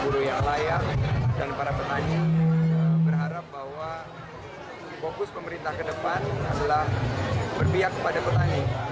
buruh yang layak dan para petani berharap bahwa fokus pemerintah ke depan adalah berpihak kepada petani